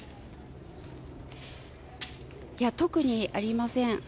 いや、特にありません。